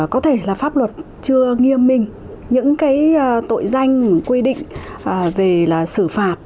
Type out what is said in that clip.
có thể là pháp luật chưa nghiêm minh những tội danh quy định về sử phạt